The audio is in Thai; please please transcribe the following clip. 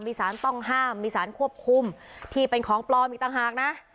มีสารต้องห้ามมีสารควบคุมที่เป็นของปลอมอีกต่างหากนะ